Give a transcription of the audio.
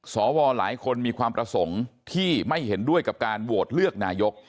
สวหลายคนมีความประสงค์ที่ไม่เห็นด้วยกับการโหวตเลือกนายก